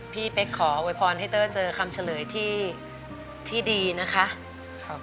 พี่เป๊กขอโวยพรให้เตอร์เจอคำเฉลยที่ดีนะคะ